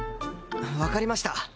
わかりました。